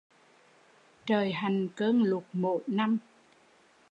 Trời hành cơn lụt mỗi năm